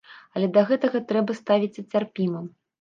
Але да гэтага трэба ставіцца цярпіма.